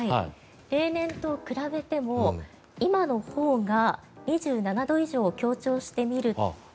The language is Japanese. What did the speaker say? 例年と比べても今のほうが２７度以上強調してみると。